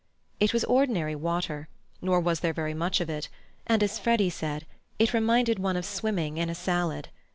It was ordinary water, nor was there very much of it, and, as Freddy said, it reminded one of swimming in a salad.